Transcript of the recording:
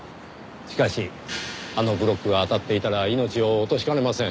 しかしあのブロックが当たっていたら命を落としかねません。